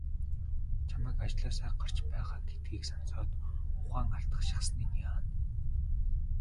Чамайг ажлаасаа гарч байгаа гэдгийг сонсоод ухаан алдах шахсаныг яана.